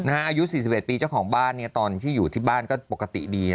อายุ๔๑ปีเจ้าของบ้านตอนที่อยู่ที่บ้านก็ปกติดี